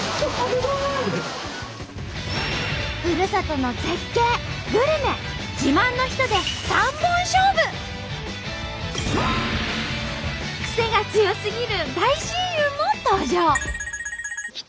ふるさとの「絶景」「グルメ」「自慢の人」でクセが強すぎる大親友も登場！